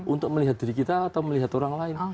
untuk melihat diri kita atau melihat orang lain